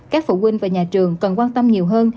các phụ huynh và nhà trường cần quan tâm nhiều hơn